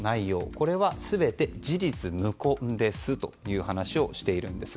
これは全て事実無根ですという話をしているんです。